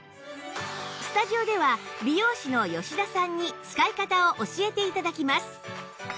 スタジオでは美容師の吉田さんに使い方を教えて頂きます